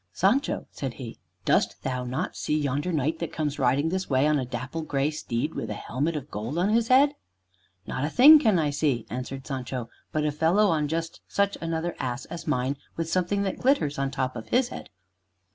"Sancho," said he, "dost thou not see yonder knight that comes riding this way on a dapple gray steed, with a helmet of gold on his head?" "Not a thing can I see," answered Sancho, "but a fellow on just such another ass as mine, with something that glitters on top of his head."